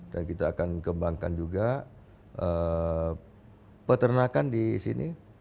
dan kita akan kembangkan juga peternakan di sini